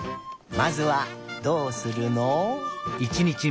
まずはどうするの？